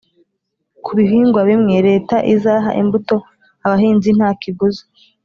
ku bihingwa bimwe, leta izaha imbuto abahinzi nta kiguzi,